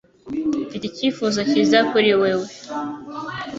Mfite icyifuzo cyiza kuri wewe.